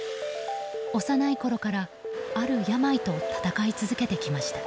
幼いころからある病と闘い続けてきました。